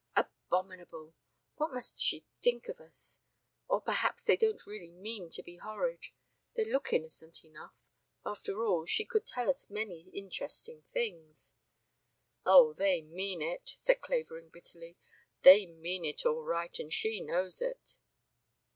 "Abominable. What must she think of us? Or, perhaps they don't really mean to be horrid. They look innocent enough. After all, she could tell us many interesting things." "Oh, they mean it," said Clavering bitterly. "They mean it all right and she knows it."